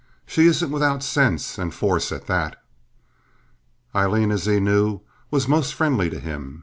She isn't without sense and force, at that." Aileen, as he knew, was most friendly to him.